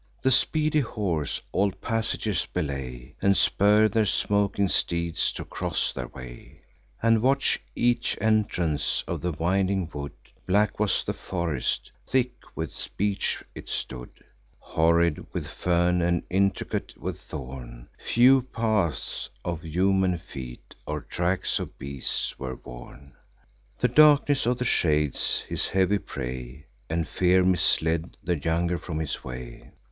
The speedy horse all passages belay, And spur their smoking steeds to cross their way, And watch each entrance of the winding wood. Black was the forest: thick with beech it stood, Horrid with fern, and intricate with thorn; Few paths of human feet, or tracks of beasts, were worn. The darkness of the shades, his heavy prey, And fear, misled the younger from his way.